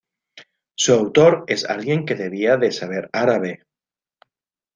Su autor es alguien que debía de saber árabe.